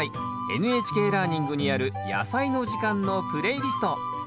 「ＮＨＫラーニング」にある「やさいの時間」のプレイリスト。